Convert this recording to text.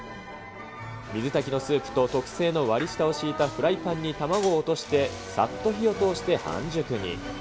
水炊きのスープと特製の割下を敷いたフライパンに卵を落として、さっと火を通して半熟に。